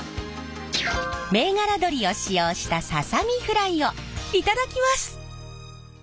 銘柄鶏を使用したささみフライを頂きます。